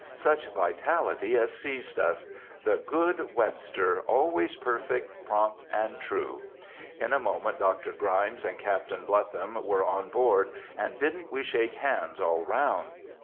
Such vitality as seized us! The good Webster! always perfect, prompt, and true. In a moment, Dr. Grymes and Captain Bletham were on board, and didn't we shake hands all round!